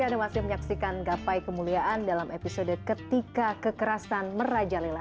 anda masih menyaksikan gapai kemuliaan dalam episode ketika kekerasan merajalela